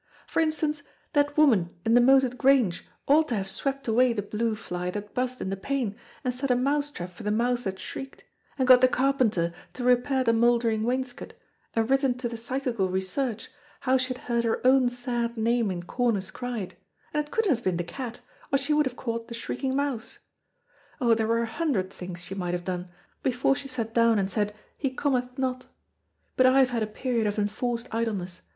"For instance, that woman in the moated Grange ought to have swept away the blue fly that buzzed in the pane, and set a mouse trap for the mouse that shrieked, and got the carpenter to repair the mouldering wainscot, and written to the Psychical Research, how she had heard her own sad name in corners cried, and it couldn't have been the cat, or she would have caught the shrieking mouse. Oh, there were a hundred things she might have done, before she sat down and said, 'He cometh not,' But I have had a period of enforced idleness.